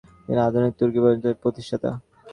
তিনি আধুনিক তুর্কি প্রজাতন্ত্রের প্রতিষ্ঠাতা।